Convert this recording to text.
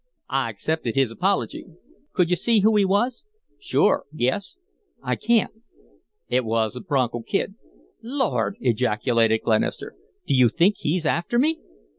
I accepted his apology." "Could you see who he was?" "Sure. Guess." "I can't." "It was the Bronco Kid." "Lord!" ejaculated Glenister. "Do you think he's after me?"